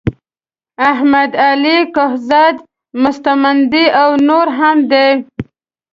احمد علی کهزاد مستمندي او نور هم دي.